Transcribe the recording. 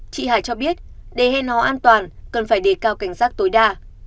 chị hải cho biết để hẹn hò an toàn cần phải đề cao cảnh giác tối đa